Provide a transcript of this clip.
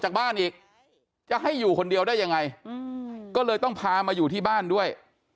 จากบ้านอีกจะให้อยู่คนเดียวได้ยังไงก็เลยต้องพามาอยู่ที่บ้านด้วย